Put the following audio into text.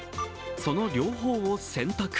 その両方を選択。